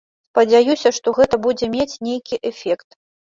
Спадзяюся, што гэта будзе мець нейкі эфект.